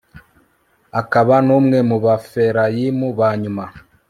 akaba n'umwe mu barefayimu ba nyuma